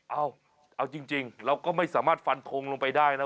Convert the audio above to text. เอาจริงเราก็ไม่สามารถฟันทงลงไปได้นะ